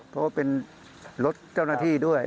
เพราะว่าเป็นรถเจ้าหน้าที่ด้วย